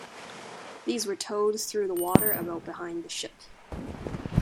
These were towed through the water about behind the ship.